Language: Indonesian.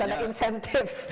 harus ada insentif